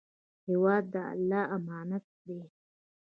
هېواد د الله امانت دی.